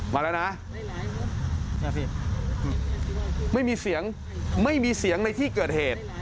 มาแล้วนะไม่มีเสียงไม่มีเสียงในที่เกิดเหตุ